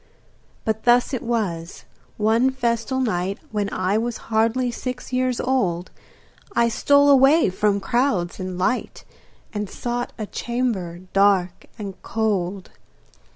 But thus it was: one festal night When I was hardly six years old I stole away from crowds and light And sought a chamber dark and cold.